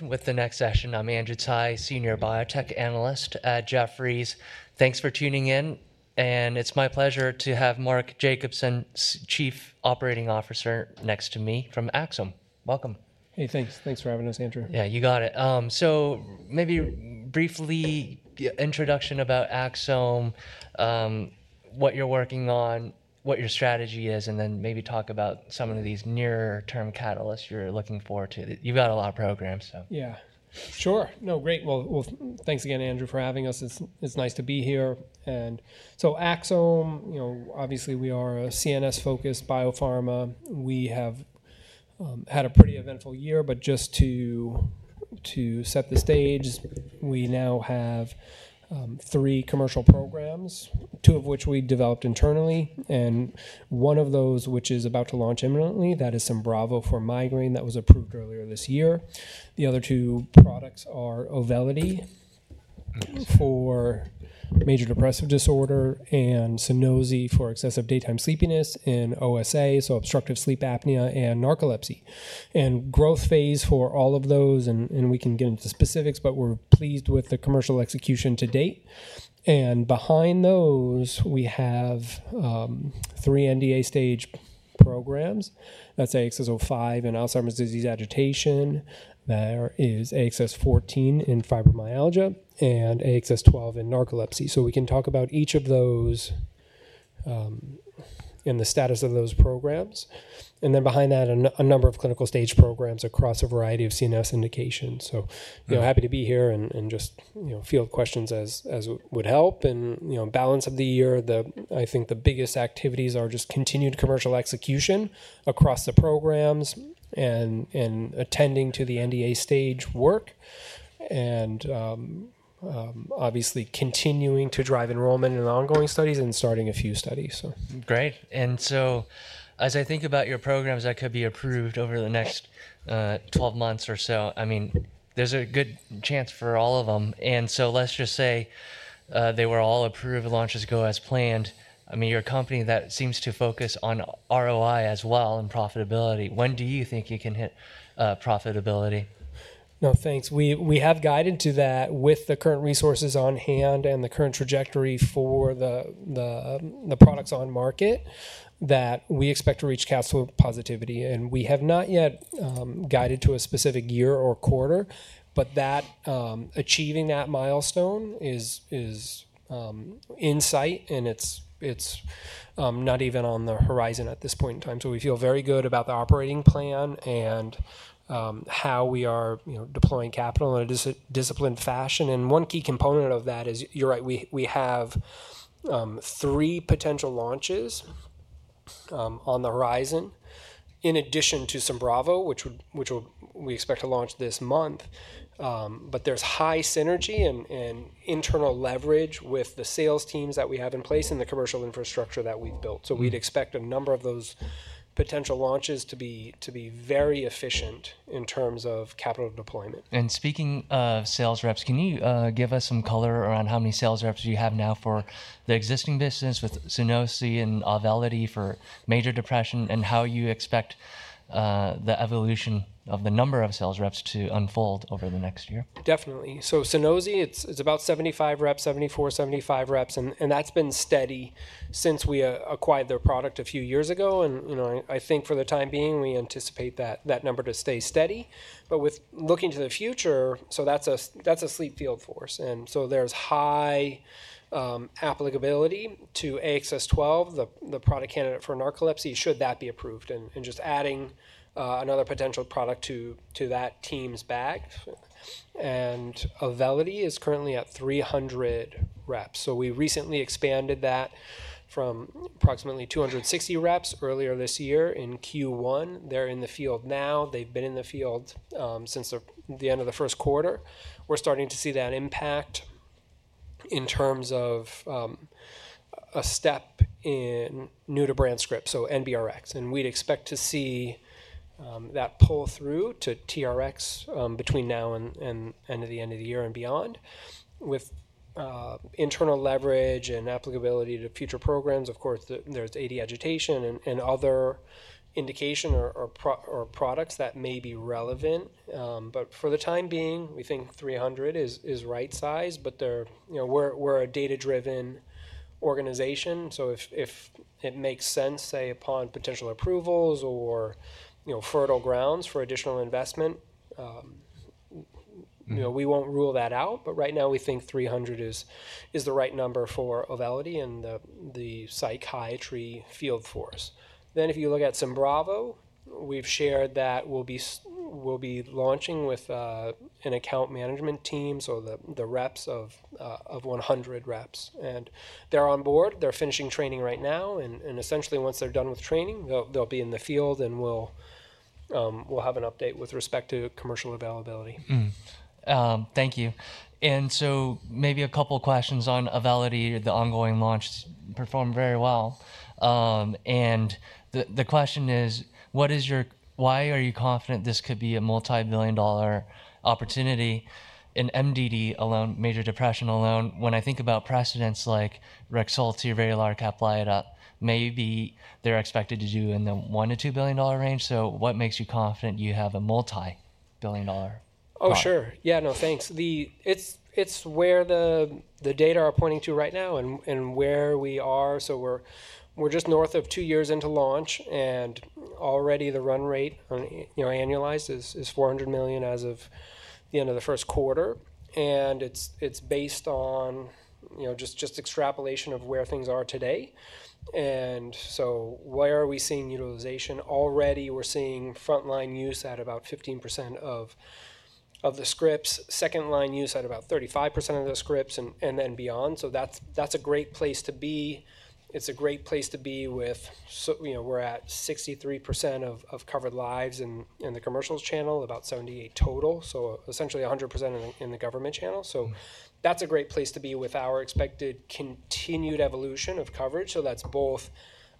With the next session, I'm Andrew Tsai, Senior Biotech Analyst at Jefferies. Thanks for tuning in. It's my pleasure to have Mark Jacobson, Chief Operating Officer, next to me from Axsome. Welcome. Hey, thanks. Thanks for having us, Andrew. Yeah, you got it. Maybe briefly introduction about Axsome, what you're working on, what your strategy is, and then maybe talk about some of these near-term catalysts you're looking forward to. You've got a lot of programs. Yeah, sure. No, great. Thanks again, Andrew, for having us. It's nice to be here. Axsome, obviously, we are a CNS-focused biopharma. We have had a pretty eventful year. Just to set the stage, we now have three commercial programs, two of which we developed internally. One of those, which is about to launch imminently, is SYMBRAVO for migraine that was approved earlier this year. The other two products are AUVELITY for major depressive disorder and SUNOSI for excessive daytime sleepiness and OSA, so obstructive sleep apnea and narcolepsy. Growth phase for all of those, and we can get into specifics, but we're pleased with the commercial execution to date. Behind those, we have three NDA-stage programs. That's AXS-05 in Alzheimer's disease agitation. There is AXS-14 in fibromyalgia and AXS-12 in narcolepsy. We can talk about each of those and the status of those programs. Then behind that, a number of clinical stage programs across a variety of CNS indications. Happy to be here and just field questions as would help. Balance of the year, I think the biggest activities are just continued commercial execution across the programs and attending to the NDA-stage work. Obviously, continuing to drive enrollment in ongoing studies and starting a few studies. Great. As I think about your programs that could be approved over the next 12 months or so, I mean, there's a good chance for all of them. Let's just say they were all approved, launched as go as planned. I mean, you're a company that seems to focus on ROI as well and profitability. When do you think you can hit profitability? No, thanks. We have guided to that with the current resources on hand and the current trajectory for the products on market that we expect to reach capital positivity. We have not yet guided to a specific year or quarter. Achieving that milestone is in sight, and it is not even on the horizon at this point in time. We feel very good about the operating plan and how we are deploying capital in a disciplined fashion. One key component of that is, you are right, we have three potential launches on the horizon in addition to SYMBRAVO, which we expect to launch this month. There is high synergy and internal leverage with the sales teams that we have in place and the commercial infrastructure that we have built. We would expect a number of those potential launches to be very efficient in terms of capital deployment. Speaking of sales reps, can you give us some color around how many sales reps you have now for the existing business with SUNOSI and AUVELITY for major depression and how you expect the evolution of the number of sales reps to unfold over the next year? Definitely. SUNOSI, it's about 75 reps, 74, 75 reps. That's been steady since we acquired the product a few years ago. I think for the time being, we anticipate that number to stay steady. Looking to the future, that's a sleep field for us. There's high applicability to AXS-12, the product candidate for narcolepsy, should that be approved and just adding another potential product to that team's bag. AUVELITY is currently at 300 reps. We recently expanded that from approximately 260 reps earlier this year in Q1. They're in the field now. They've been in the field since the end of the first quarter. We're starting to see that impact in terms of a step in new-to-brand script, so NBRx. We'd expect to see that pull through to TRx between now and the end of the year and beyond. With internal leverage and applicability to future programs, of course, there's AD agitation and other indication or products that may be relevant. For the time being, we think 300 is right size. We're a data-driven organization. If it makes sense, say, upon potential approvals or fertile grounds for additional investment, we won't rule that out. Right now, we think 300 is the right number for AUVELITY and the psychiatry field for us. If you look at SYMBRAVO, we've shared that we'll be launching with an account management team, so the reps of 100 reps. They're on board. They're finishing training right now. Essentially, once they're done with training, they'll be in the field, and we'll have an update with respect to commercial availability. Thank you. Maybe a couple of questions on AUVELITY, the ongoing launch performed very well. The question is, why are you confident this could be a multi-billion dollar opportunity in MDD alone, major depression alone? When I think about precedents like REXULTI, VRAYLAR, CAPLYTA, maybe they're expected to do in the $1 billion-$2 billion range. What makes you confident you have a multi-billion dollar? Oh, sure. Yeah, no, thanks. It's where the data are pointing to right now and where we are. We're just north of two years into launch. Already, the run rate annualized is $400 million as of the end of the first quarter. It's based on just extrapolation of where things are today. Where are we seeing utilization? Already, we're seeing frontline use at about 15% of the scripts, second-line use at about 35% of the scripts, and then beyond. That's a great place to be. It's a great place to be with we're at 63% of covered lives in the commercial channel, about 78% total, so essentially 100% in the government channel. That's a great place to be with our expected continued evolution of coverage. That is both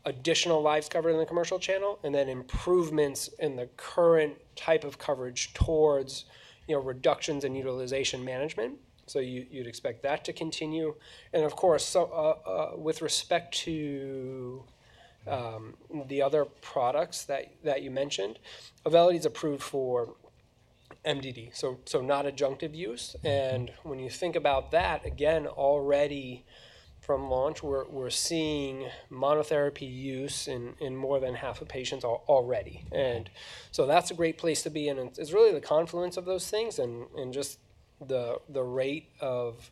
additional lives covered in the commercial channel and then improvements in the current type of coverage towards reductions in utilization management. You would expect that to continue. Of course, with respect to the other products that you mentioned, AUVELITY is approved for MDD, so not adjunctive use. When you think about that, again, already from launch, we are seeing monotherapy use in more than half of patients already. That is a great place to be. It is really the confluence of those things and just the rate of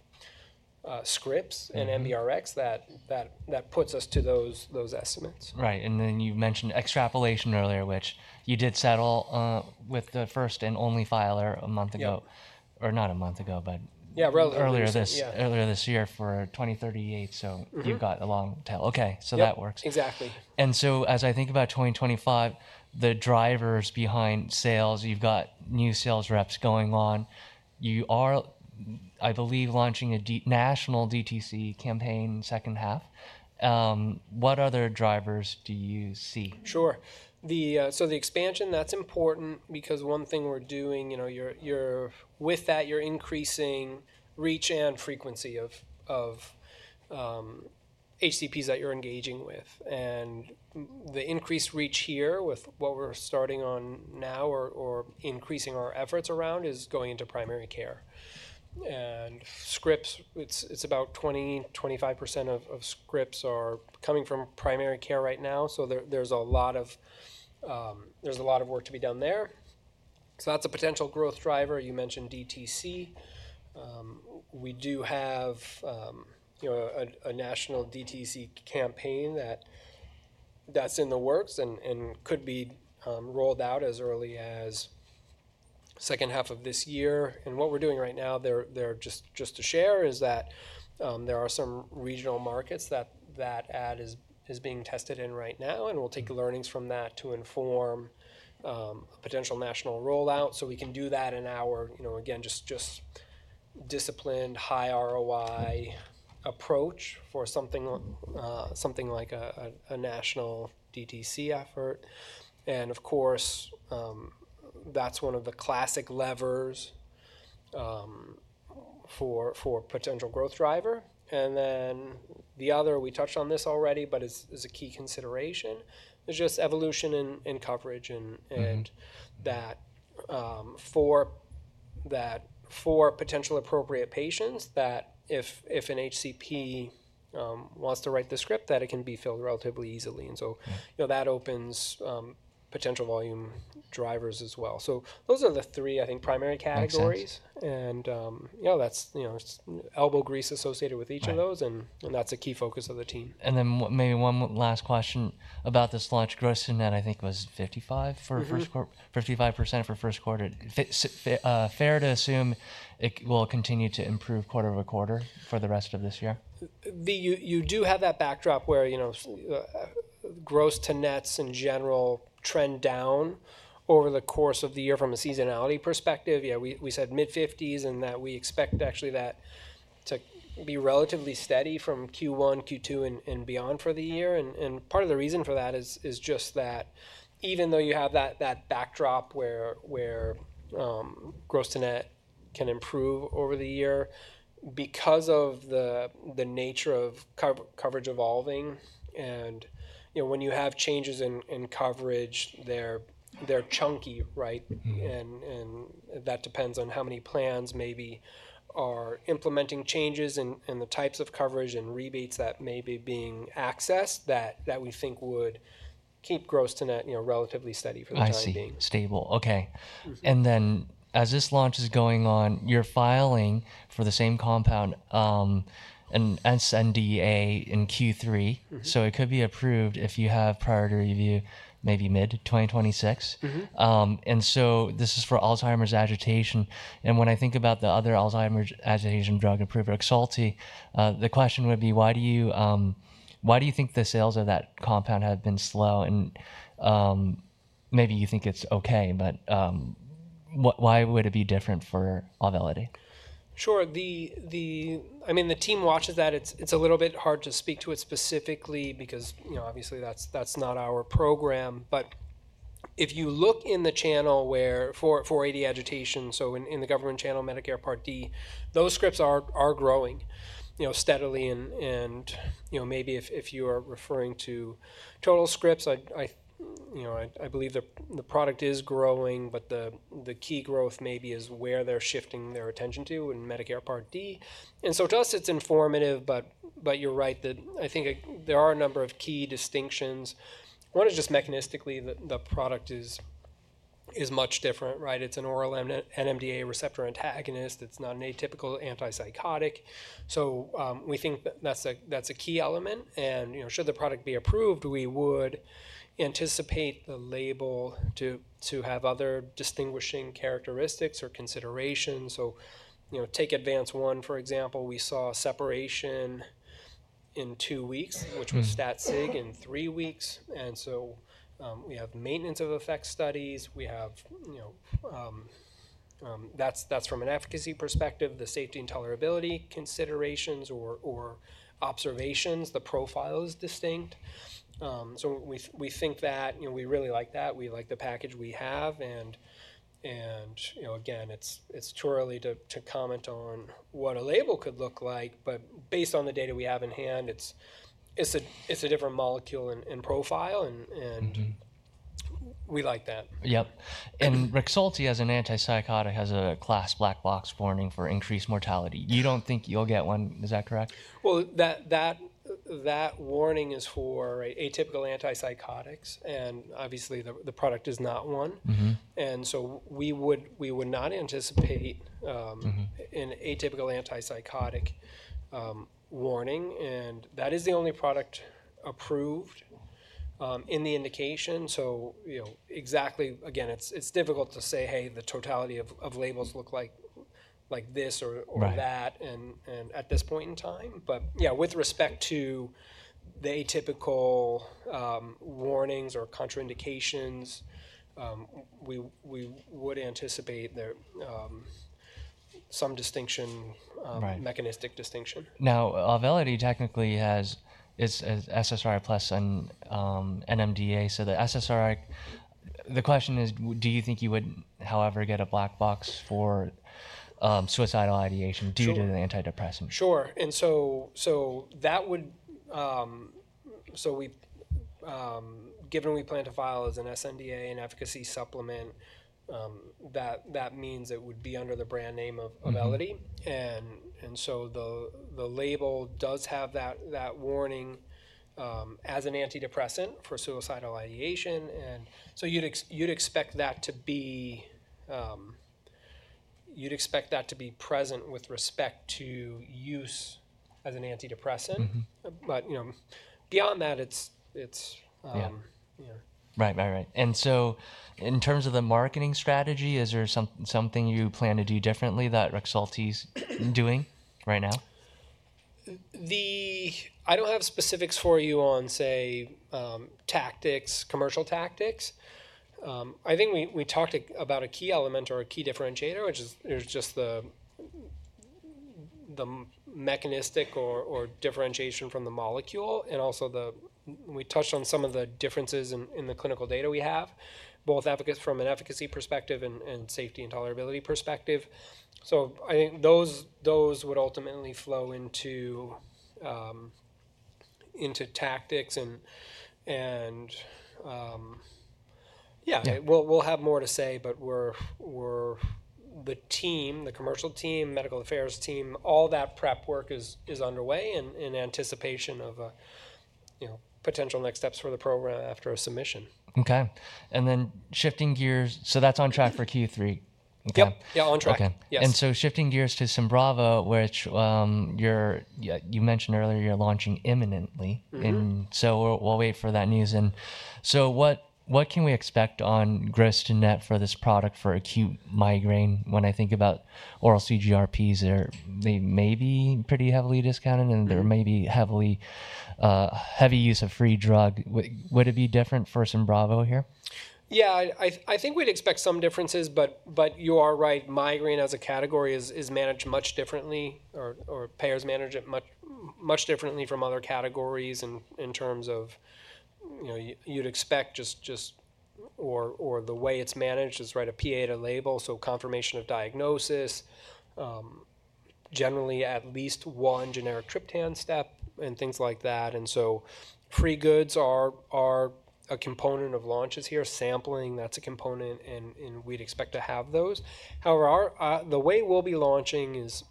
scripts and NBRx that puts us to those estimates. Right. You mentioned extrapolation earlier, which you did settle with the first and only filer a month ago, or not a month ago, but earlier this year for 2038. You have a long tail. Okay, that works. Exactly. As I think about 2025, the drivers behind sales, you've got new sales reps going on. You are, I believe, launching a national DTC campaign second half. What other drivers do you see? Sure. The expansion, that's important because one thing we're doing with that, you're increasing reach and frequency of HCPs that you're engaging with. The increased reach here with what we're starting on now or increasing our efforts around is going into primary care. Scripts, it's about 20%, 25% of scripts are coming from primary care right now. There's a lot of work to be done there. That's a potential growth driver. You mentioned DTC. We do have a national DTC campaign that's in the works and could be rolled out as early as second half of this year. What we're doing right now, just to share, is that there are some regional markets that that ad is being tested in right now. We'll take learnings from that to inform potential national rollout. We can do that in our, again, just disciplined, high ROI approach for something like a national DTC effort. Of course, that is one of the classic levers for potential growth driver. The other, we touched on this already, but it is a key consideration, is just evolution in coverage and that for potential appropriate patients, that if an HCP wants to write the script, it can be filled relatively easily. That opens potential volume drivers as well. Those are the three, I think, primary categories. That is elbow grease associated with each of those. That is a key focus of the team. Maybe one last question about this launch. Grossing that, I think, was 55% for first quarter. Fair to assume it will continue to improve quarter over quarter for the rest of this year? You do have that backdrop where gross to nets in general trend down over the course of the year from a seasonality perspective. Yeah, we said mid-50% and that we expect actually that to be relatively steady from Q1, Q2, and beyond for the year. Part of the reason for that is just that even though you have that backdrop where gross to net can improve over the year because of the nature of coverage evolving. When you have changes in coverage, they are chunky, right? That depends on how many plans maybe are implementing changes in the types of coverage and rebates that may be being accessed that we think would keep gross to net relatively steady for the time being. I see. Stable. Okay. As this launch is going on, you're filing for the same compound and NDA in Q3. It could be approved if you have priority review maybe mid-2026. This is for Alzheimer's agitation. When I think about the other Alzheimer's agitation drug, approved REXULTI, the question would be, why do you think the sales of that compound have been slow? Maybe you think it's okay, but why would it be different for AUVELITY? Sure. I mean, the team watches that. It's a little bit hard to speak to it specifically because obviously, that's not our program. If you look in the channel for AD agitation, in the government channel, Medicare Part D, those scripts are growing steadily. Maybe if you are referring to total scripts, I believe the product is growing, but the key growth maybe is where they're shifting their attention to in Medicare Part D. To us, it's informative. You're right that I think there are a number of key distinctions. One is just mechanistically the product is much different, right? It's an oral NMDA receptor antagonist. It's not an atypical antipsychotic. We think that's a key element. Should the product be approved, we would anticipate the label to have other distinguishing characteristics or considerations. Take Advance-1, for example. We saw separation in two weeks, which was stat-sig in three weeks. We have maintenance of effect studies. That is from an efficacy perspective. The safety and tolerability considerations or observations, the profile is distinct. We think that we really like that. We like the package we have. It is too early to comment on what a label could look like. Based on the data we have in hand, it is a different molecule and profile. We like that. Yep. And REXULTI as an antipsychotic has a class black box warning for increased mortality. You don't think you'll get one. Is that correct? That warning is for atypical antipsychotics. Obviously, the product is not one. We would not anticipate an atypical antipsychotic warning. That is the only product approved in the indication. Exactly, again, it's difficult to say, hey, the totality of labels look like this or that at this point in time. Yeah, with respect to the atypical warnings or contraindications, we would anticipate some distinction, mechanistic distinction. Now, AUVELITY technically has SSRI plus NMDA. So the question is, do you think you would, however, get a black box for suicidal ideation due to the antidepressant? Sure. That would, given we plan to file as an SNDA, an efficacy supplement, that means it would be under the brand name of AUVELITY. The label does have that warning as an antidepressant for suicidal ideation. You'd expect that to be present with respect to use as an antidepressant. Beyond that, it's. Right, right, right. In terms of the marketing strategy, is there something you plan to do differently that REXULTI's doing right now? I don't have specifics for you on, say, tactics, commercial tactics. I think we talked about a key element or a key differentiator, which is just the mechanistic or differentiation from the molecule. I think we also touched on some of the differences in the clinical data we have, both from an efficacy perspective and safety and tolerability perspective. I think those would ultimately flow into tactics. Yeah, we'll have more to say, but the team, the commercial team, medical affairs team, all that prep work is underway in anticipation of potential next steps for the program after a submission. Okay. Then shifting gears, so that's on track for Q3. Yep, yeah, on track. Okay. Shifting gears to SYMBRAVO, which you mentioned earlier, you're launching imminently. We'll wait for that news. What can we expect on gross to net for this product for acute migraine? When I think about oral CGRPs, they may be pretty heavily discounted, and there may be heavy use of free drug. Would it be different for SYMBRAVO here? Yeah, I think we'd expect some differences. You are right, migraine as a category is managed much differently, or payers manage it much differently from other categories. In terms of you'd expect just, or the way it's managed is, right, a PA to label, so confirmation of diagnosis, generally at least one generic triptan step and things like that. Free goods are a component of launches here. Sampling, that's a component, and we'd expect to have those. However, the way we'll be launching is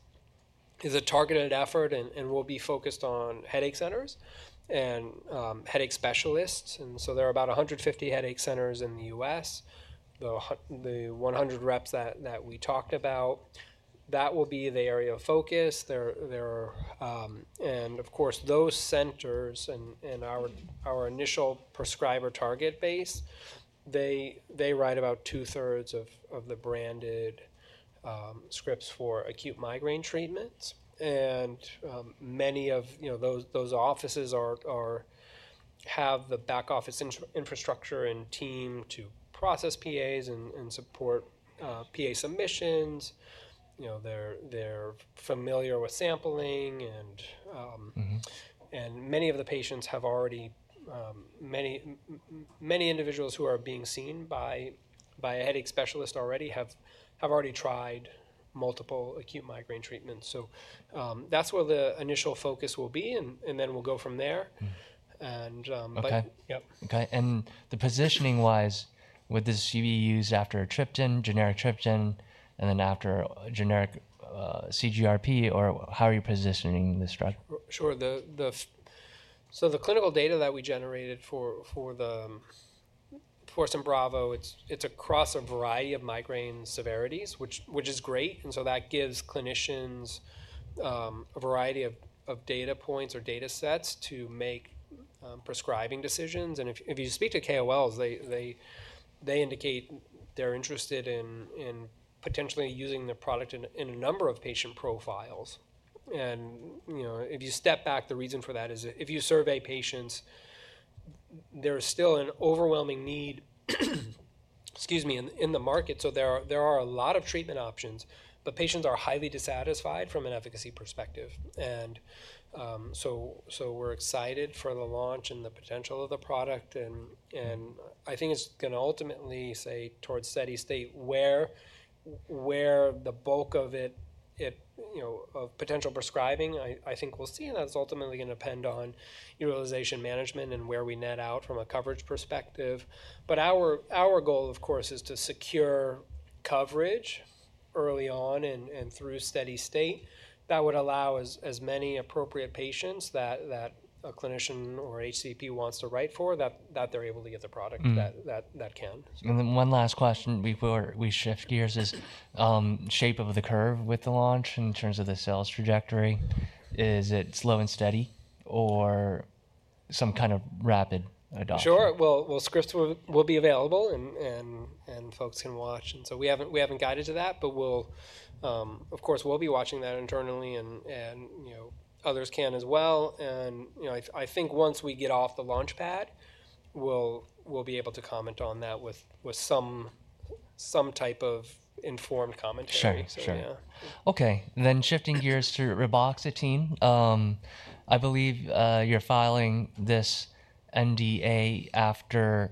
a targeted effort, and we'll be focused on headache centers and headache specialists. There are about 150 headache centers in the U.S., the 100 reps that we talked about. That will be the area of focus. Of course, those centers and our initial prescriber target base, they write about two-thirds of the branded scripts for acute migraine treatments. Many of those offices have the back office infrastructure and team to process PAs and support PA submissions. They're familiar with sampling. Many individuals who are being seen by a headache specialist have already tried multiple acute migraine treatments. That is where the initial focus will be, and then we'll go from there. Yep. Okay. The positioning-wise, would this be used after a triptan, generic triptan, and then after a generic CGRP, or how are you positioning this drug? Sure. The clinical data that we generated for SYMBRAVO, it's across a variety of migraine severities, which is great. That gives clinicians a variety of data points or data sets to make prescribing decisions. If you speak to KOLs, they indicate they're interested in potentially using the product in a number of patient profiles. If you step back, the reason for that is if you survey patients, there is still an overwhelming need, excuse me, in the market. There are a lot of treatment options, but patients are highly dissatisfied from an efficacy perspective. We're excited for the launch and the potential of the product. I think it's going to ultimately say towards steady state where the bulk of it of potential prescribing, I think we'll see. That is ultimately going to depend on utilization management and where we net out from a coverage perspective. Our goal, of course, is to secure coverage early on and through steady state that would allow as many appropriate patients that a clinician or HCP wants to write for, that they are able to get the product that can. One last question before we shift gears is shape of the curve with the launch in terms of the sales trajectory. Is it slow and steady or some kind of rapid adoption? Sure. Scripts will be available, and folks can watch. We have not guided to that, but of course, we will be watching that internally, and others can as well. I think once we get off the launch pad, we will be able to comment on that with some type of informed commentary. Sure, sure. Okay. Then shifting gears to reboxetine. I believe you're filing this NDA after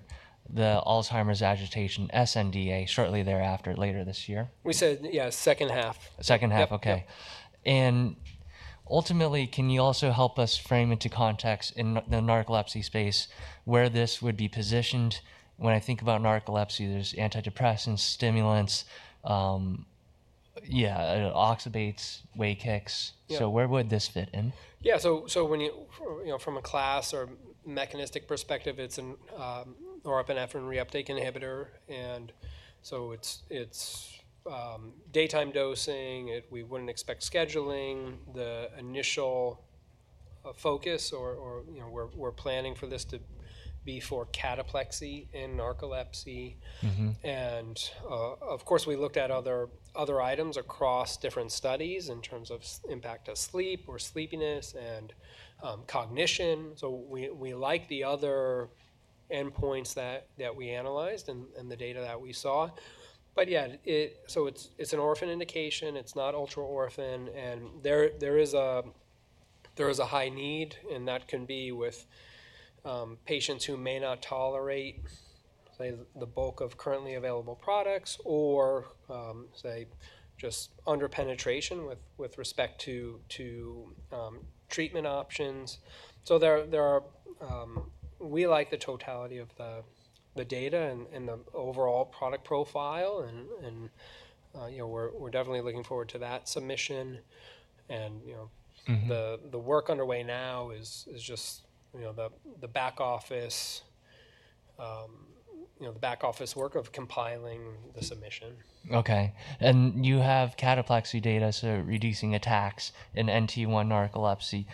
the Alzheimer's agitation SNDA shortly thereafter, later this year. We said, yeah, second half. Second half, okay. Ultimately, can you also help us frame into context in the narcolepsy space where this would be positioned? When I think about narcolepsy, there are antidepressants, stimulants, oxybates, wake kicks. Where would this fit in? Yeah. From a class or mechanistic perspective, it's a norepinephrine reuptake inhibitor. It's daytime dosing. We wouldn't expect scheduling. The initial focus, or we're planning for this to be for cataplexy in narcolepsy. Of course, we looked at other items across different studies in terms of impact of sleep or sleepiness and cognition. We like the other endpoints that we analyzed and the data that we saw. Yeah, it's an orphan indication. It's not ultra-orphan. There is a high need, and that can be with patients who may not tolerate, say, the bulk of currently available products or, say, just under penetration with respect to treatment options. We like the totality of the data and the overall product profile. We're definitely looking forward to that submission. The work underway now is just the back office, the back office work of compiling the submission. Okay. You have cataplexy data, so reducing attacks in NT1 narcolepsy.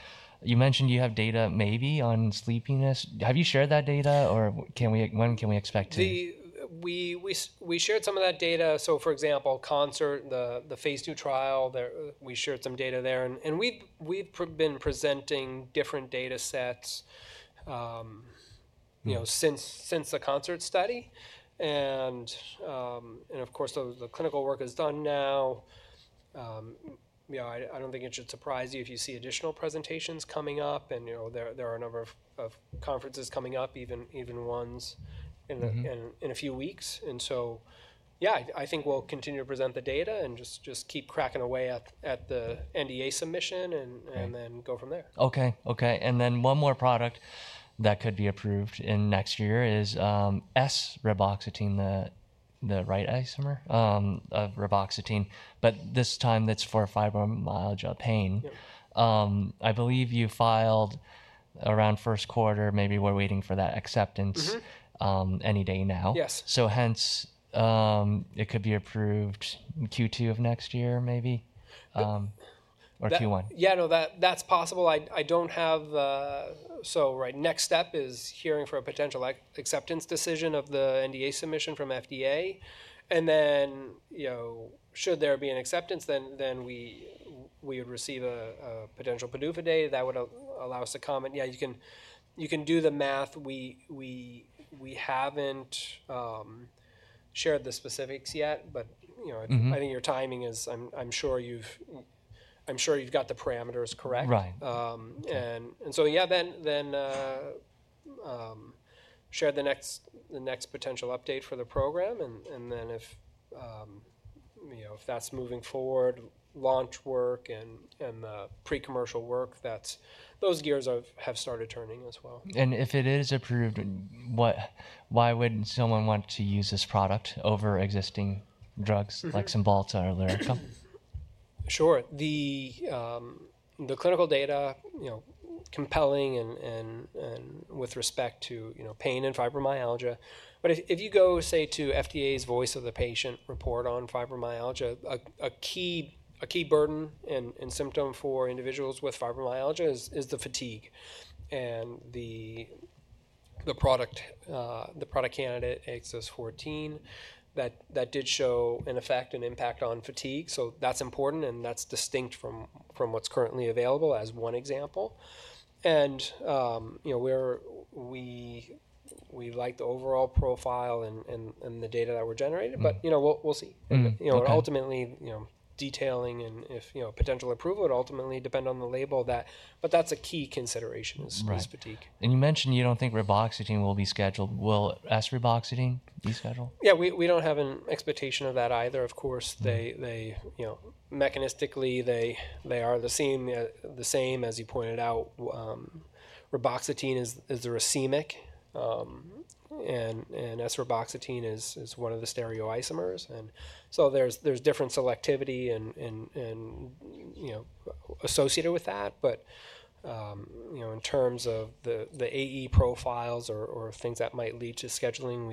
You mentioned you have data maybe on sleepiness. Have you shared that data, or when can we expect to? We shared some of that data. For example, CONCERT, the phase II trial, we shared some data there. We have been presenting different data sets since the CONCERT study. Of course, the clinical work is done now. I do not think it should surprise you if you see additional presentations coming up. There are a number of conferences coming up, even ones in a few weeks. I think we will continue to present the data and just keep cracking away at the NDA submission and then go from there. Okay, okay. And then one more product that could be approved in next year is esreboxetine, the right, yeah, reboxetine. But this time, that's for fibromyalgia pain. I believe you filed around first quarter. Maybe we're waiting for that acceptance any day now. Yes. Hence, it could be approved Q2 of next year maybe, or Q1. Yeah, no, that's possible. I don't have, so right, next step is hearing for a potential acceptance decision of the NDA submission from FDA. If there should be an acceptance, then we would receive a potential PDUFA day that would allow us to comment. Yeah, you can do the math. We haven't shared the specifics yet, but I think your timing is, I'm sure you've got the parameters correct. Yeah, then share the next potential update for the program. If that's moving forward, launch work and the pre-commercial work, those gears have started turning as well. If it is approved, why wouldn't someone want to use this product over existing drugs like Cymbalta or Lyrica? Sure. The clinical data, compelling and with respect to pain and fibromyalgia. If you go, say, to FDA's Voice of the Patient report on fibromyalgia, a key burden and symptom for individuals with fibromyalgia is the fatigue. The product candidate, AXS-14, that did show, in effect, an impact on fatigue. That is important, and that is distinct from what is currently available as one example. We like the overall profile and the data that were generated, but we will see. Ultimately, detailing and if potential approval would ultimately depend on the label, but that is a key consideration is fatigue. You mentioned you don't think reboxetine will be scheduled. Will esreboxetine be scheduled? Yeah, we do not have an expectation of that either. Of course, mechanistically, they are the same, as you pointed out. Reboxetine is racemic, and esreboxetine is one of the stereoisomers. There is different selectivity associated with that. In terms of the AE profiles or things that might lead to scheduling,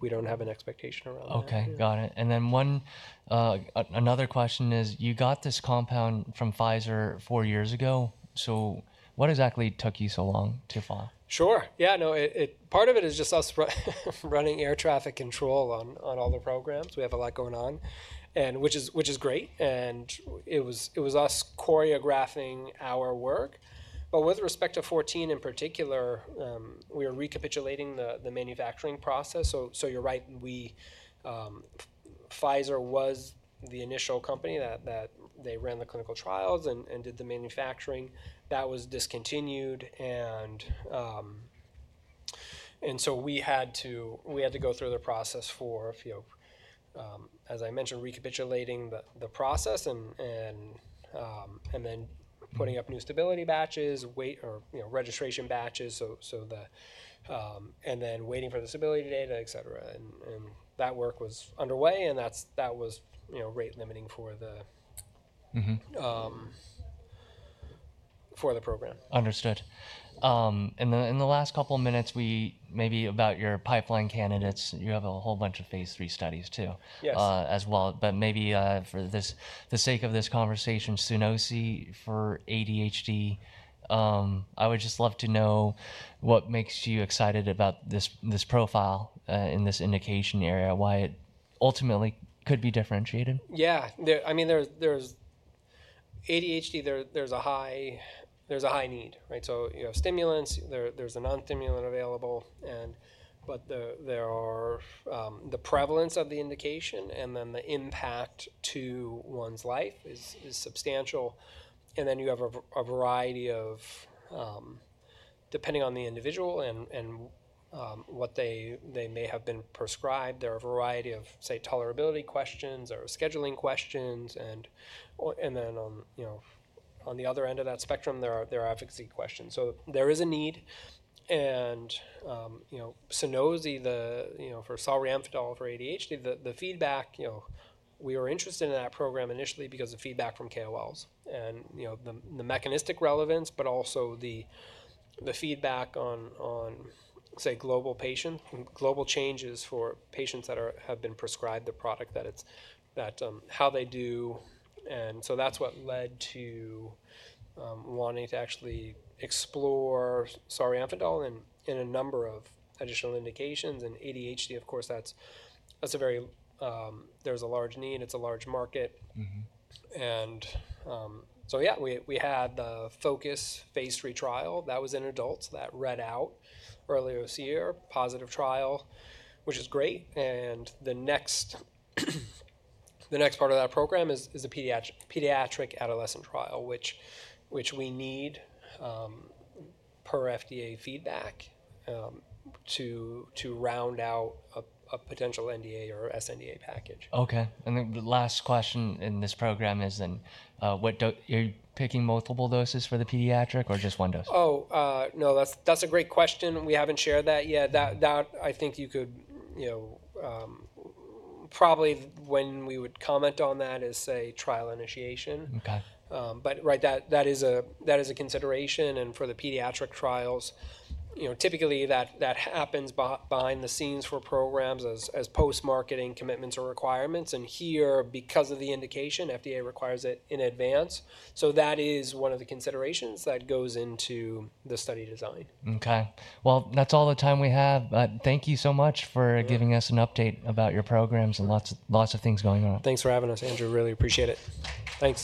we do not have an expectation around that. Okay, got it. Another question is, you got this compound from Pfizer four years ago. What exactly took you so long to file? Sure. Yeah, no, part of it is just us running air traffic control on all the programs. We have a lot going on, which is great. It was us choreographing our work. With respect to 14 in particular, we are recapitulating the manufacturing process. You're right, Pfizer was the initial company that ran the clinical trials and did the manufacturing. That was discontinued. We had to go through the process for, as I mentioned, recapitulating the process and then putting up new stability batches, or registration batches, and then waiting for the stability data, etc. That work was underway, and that was rate limiting for the program. Understood. In the last couple of minutes, maybe about your pipeline candidates, you have a whole bunch of phase III studies too as well. For the sake of this conversation, SUNOSI for ADHD, I would just love to know what makes you excited about this profile in this indication area, why it ultimately could be differentiated. Yeah. I mean, there's ADHD, there's a high need, right? Stimulants, there's a non-stimulant available. The prevalence of the indication and then the impact to one's life is substantial. You have a variety of, depending on the individual and what they may have been prescribed, there are a variety of, say, tolerability questions or scheduling questions. On the other end of that spectrum, there are advocacy questions. There is a need. SUNOSI for solriamfetol for ADHD, the feedback, we were interested in that program initially because of feedback from KOLs and the mechanistic relevance, but also the feedback on, say, global changes for patients that have been prescribed the product, how they do. That's what led to wanting to actually explore solriamfetol in a number of additional indications. ADHD, of course, that's a very, there's a large need. It's a large market. Yeah, we had the focus phase three trial that was in adults that read out earlier this year, positive trial, which is great. The next part of that program is the pediatric adolescent trial, which we need per FDA feedback to round out a potential NDA or SNDA package. Okay. The last question in this program is then you're picking multiple doses for the pediatric or just one dose? Oh, no, that's a great question. We haven't shared that yet. That I think you could probably, when we would comment on that, is, say, trial initiation. Right, that is a consideration. For the pediatric trials, typically that happens behind the scenes for programs as post-marketing commitments or requirements. Here, because of the indication, FDA requires it in advance. That is one of the considerations that goes into the study design. Okay. That is all the time we have. Thank you so much for giving us an update about your programs and lots of things going on. Thanks for having us, Andrew. Really appreciate it. Thanks.